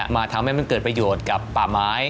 ทำให้มันเกิดประโยชน์กับป่าไม้